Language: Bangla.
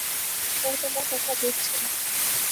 ও তোমার কথা বুঝছে না।